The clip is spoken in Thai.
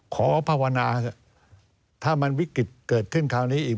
ภาวนาเถอะถ้ามันวิกฤตเกิดขึ้นคราวนี้อีก